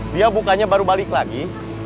dia bukanya baru balik lagi